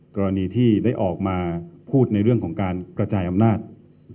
กรณีที่ได้ออกมาพูดในเรื่องของการกระจายอำนาจ